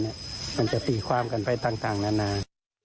มันจะตีความกันไปตามเนาะ